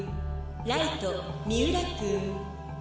ライト三浦くん。